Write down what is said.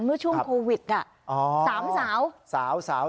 เมื่อช่วงโควิดสามสาว